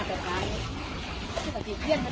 สวัสดีครับ